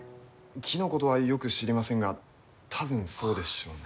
木のことはよく知りませんが多分そうでしょうね。